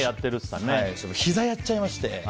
ひざをやっちゃいまして。